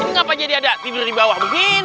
ini kenapa jadi ada tidur di bawah begini